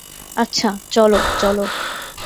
আচ্ছা, চলো, চলো!